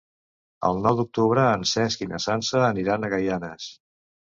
El nou d'octubre en Cesc i na Sança aniran a Gaianes.